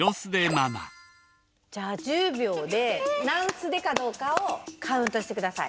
じゃあ１０秒で何スデかどうかをカウントしてください。